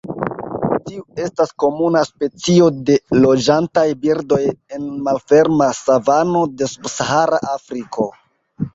Tiu estas komuna specio de loĝantaj birdoj en malferma savano de Subsahara Afriko.